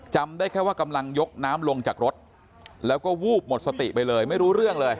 ได้แค่ว่ากำลังยกน้ำลงจากรถแล้วก็วูบหมดสติไปเลยไม่รู้เรื่องเลย